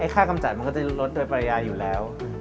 ค่ากำจัดมันก็จะลดโดยปริยาอยู่แล้ว